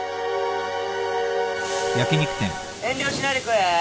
遠慮しないで食え。